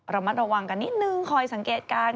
ระมัดระวังกันนิดนึงคอยสังเกตการณ์